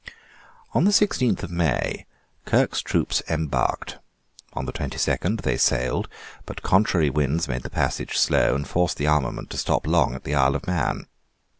On the sixteenth of May, Kirke's troops embarked: on the twenty second they sailed: but contrary winds made the passage slow, and forced the armament to stop long at the Isle of Man.